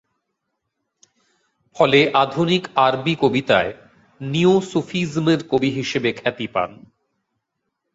ফলে আধুনিক আরবী কবিতায় "নিও সুফিজম"-এর কবি হিসেবে খ্যাতি পান।